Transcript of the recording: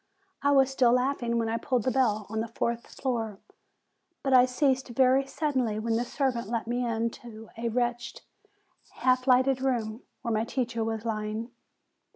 I was still laughing when I pulled the bell on the fourth floor; but I ceased very suddenly when the servant let me into a wretched, half lighted room, where my teacher was lying.